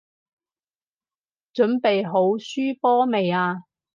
準備好輸波未啊？